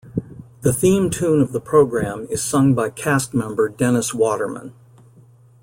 The theme tune of the program is sung by cast member Dennis Waterman.